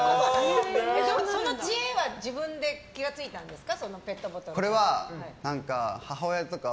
その知恵は自分で気が付いたんですか？